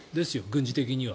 軍事的には。